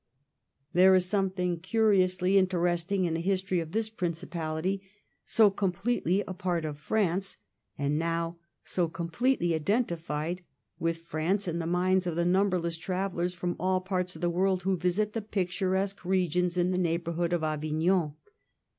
There is something curiously interesting in the history of this principality, so completely a part of France, and now so completely identified with France in the minds of the numberless travellers from all parts of the world who visit the picturesque regions in the neighbourhood of Avignon.